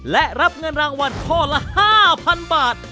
และรับเงินรางวัลข้อละ๕๐๐๐บาท